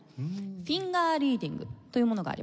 フィンガー・リーディングというものがあります。